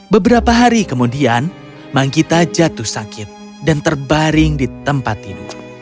beberapa hari kemudian manggita jatuh sakit dan terbaring di tempat tidur